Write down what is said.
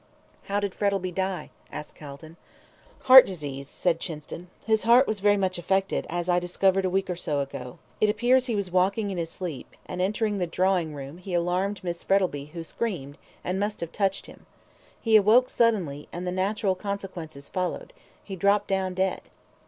"How did Frettlby die?" asked Calton. "Heart disease," said Chinston. "His heart was very much affected, as I discovered a week or so ago. It appears he was walking in his sleep, and entering the drawing room, he alarmed Miss Frettlby, who screamed, and must have touched him. He awoke suddenly, and the natural consequences followed he dropped down dead."